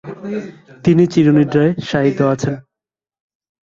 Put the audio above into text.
তিনি চিরনিদ্রায় শায়িত আছেন।